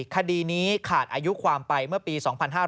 คดีนี้ขาดอายุความไปเมื่อปี๒๕๕๙